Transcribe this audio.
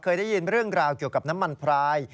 เคยได้ยินเรื่องราวเกี่ยวกับน้ำมันพราย